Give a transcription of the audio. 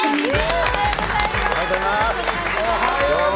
おはようございます。